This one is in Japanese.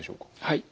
はい。